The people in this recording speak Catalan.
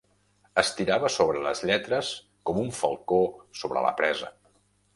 Es tirava sobre les lletres com un falcó sobre la presa.